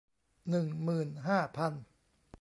หนึ่งหมื่นห้าพัน